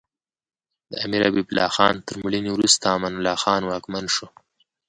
د امیر حبیب الله خان تر مړینې وروسته امان الله خان واکمن شو.